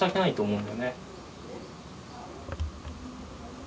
うん。